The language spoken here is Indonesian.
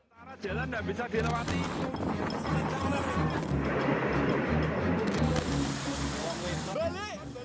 jalan jalan tidak bisa direwati